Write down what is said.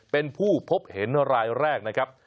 เป็นผู้พบเห็นรายแรกนะครับ